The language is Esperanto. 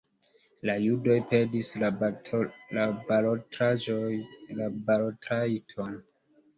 La judoj perdis la balotrajton.